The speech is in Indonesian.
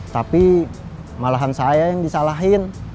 tapi malahan saya yang disalahin